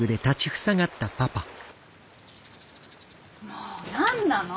もう何なの！？